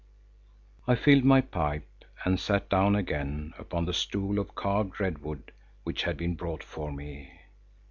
I filled my pipe and sat down again upon the stool of carved red wood which had been brought for me.